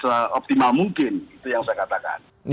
itu yang saya katakan